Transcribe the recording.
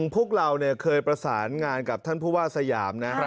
พวกเราเคยประสานงานกับท่านผู้ว่าสยามนะ